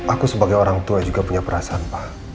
aku sebagai orang tua juga punya perasaan pak